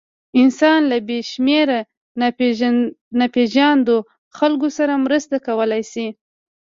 انسان له بېشمېره ناپېژاندو خلکو سره مرسته کولی شي.